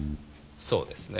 そうですね。